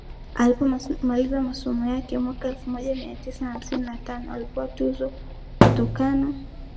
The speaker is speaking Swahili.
Alipomaliza masomo yake mwaka elfu moja mia tisa hamsini na tano alipewa tuzo kutokana